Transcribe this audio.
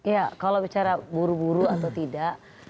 ya kalau bicara buru buru atau tidak